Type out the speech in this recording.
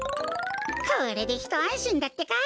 これでひとあんしんだってか。